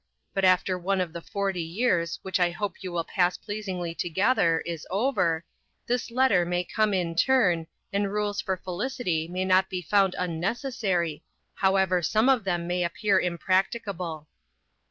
But after one of the forty years, which I hope you will pass pleasingly together, is over, this letter may come in turn, and rules for felicity may not be found unnecessary, however some of them may appear impracticable.